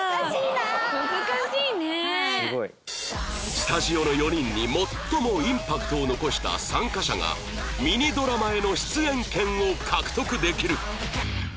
スタジオの４人に最もインパクトを残した参加者がミニドラマへの出演権を獲得できる